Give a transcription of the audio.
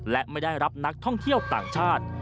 และไม่ได้รับนักท่องเที่ยวต่างชาติ